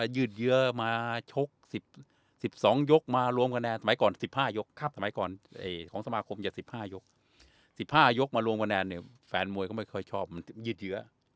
ยืดเยื้อมาชก๑๒ยกมารวมคะแนนสมัยก่อน๑๕ยกสมัยก่อนของสมาคมจะ๑๕ยก๑๕ยกมารวมคะแนนเนี่ยแฟนมวยก็ไม่ค่อยชอบมันยืดเยอะ